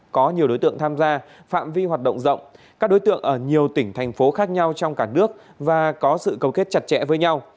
có nhiều đối tượng tham gia phạm vi hoạt động rộng các đối tượng ở nhiều tỉnh thành phố khác nhau trong cả nước và có sự cầu kết chặt chẽ với nhau